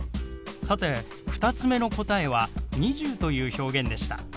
さて２つ目の答えは「２０」という表現でした。